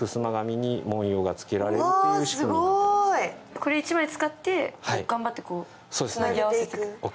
これ１枚使って、頑張ってつなぎ合わせていく？